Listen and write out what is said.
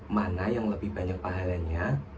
mana yang lebih banyak pahalanya